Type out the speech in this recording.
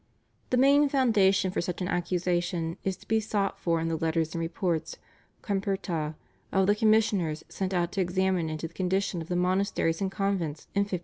The main foundation for such an accusation is to be sought for in the letters and reports (/Comperta/) of the commissioners sent out to examine into the condition of the monasteries and convents in 1535.